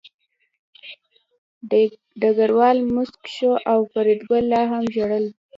ډګروال موسک شو او فریدګل لا هم ژړل